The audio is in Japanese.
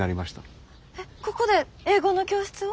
えっここで英語の教室を？